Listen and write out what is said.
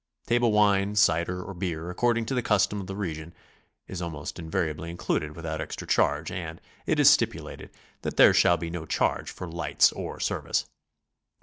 Table wine, cider or beer, according to the custom of the region, is almost in variably included without extra charge, and it is stipulated that there shall be no charge for lights or service.